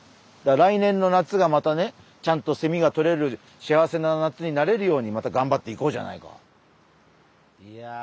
だから来年の夏がまたねちゃんとセミがとれる幸せな夏になれるようにまたがんばっていこうじゃないか。